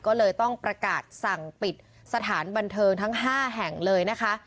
ก็เลยต้องประกาศสั่งปิดสถานบันเทิงทั้ง๕แห่งเลยนะคะ